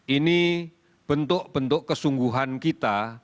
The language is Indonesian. ini bentuk bentuk kesungguhan kita